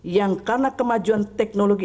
yang karena kemajuan teknologi